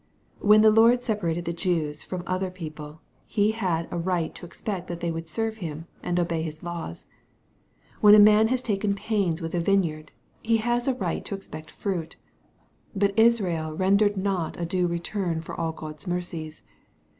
When the Lord separated the Jews from other people,\ He had a right to expect that they would serve Him, and i ;»bey His laws. When a man has taken pains "^ith a MATTHEW, OHAP. XXI. 277 vineyard, he has a right to expect fruit. But Israel rendered not a due return for all God's mercies.